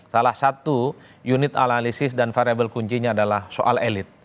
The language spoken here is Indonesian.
salah satu unit analisis dan variable kuncinya adalah soal elit